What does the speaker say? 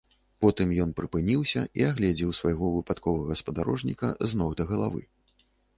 Потым ён прыпыніўся і агледзеў свайго выпадковага спадарожніка з ног да галавы.